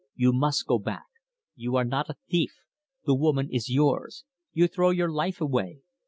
"You must go back. You are not a thief. The woman is yours. You throw your life away.